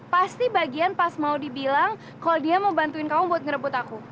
pasti bagian pas mau dibilang kalau dia mau bantuin kamu buat ngerebut aku